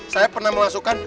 saya pernah memasukkan